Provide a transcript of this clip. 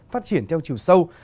phát triển theo chiều sâu